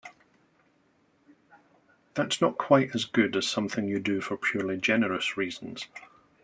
That's not quite as good as something you do for purely generous reasons.